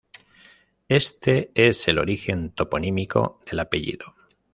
Este es el origen toponímico del apellido.